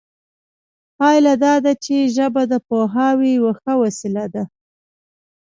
پایله دا ده چې ژبه د پوهاوي یوه ښه وسیله ده